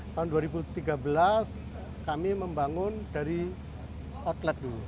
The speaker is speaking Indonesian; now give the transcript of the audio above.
tahun dua ribu tiga belas kami membangun dari outlet dulu